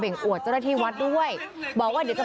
เติ้ลอย่างใจมึงใจกูเป็นข้าราคา